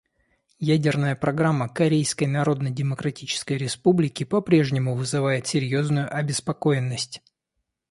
Ядерная программа Корейской Народно-Демократической Республики по-прежнему вызывает серьезную обеспокоенность.